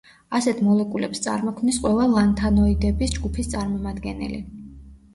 ასეთ მოლეკულებს წარმოქმნის ყველა ლანთანოიდების ჯგუფის წარმომადგენელი.